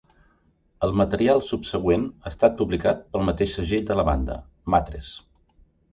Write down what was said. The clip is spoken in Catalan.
El material subsegüent ha estat publicat pel mateix segell de la banda, Mattress.